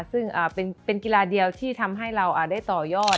ซึ่งเป็นกีฬาเดียวที่ทำให้เราได้ต่อยอด